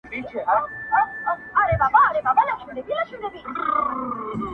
لنده ژبه هري خوا ته اوړي.